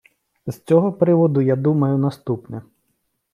З цього приводу я думаю наступне.